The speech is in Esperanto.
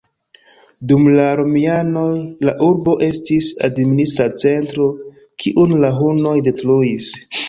Dum la romianoj la urbo estis administra centro, kiun la hunoj detruis.